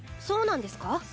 そうなんですか？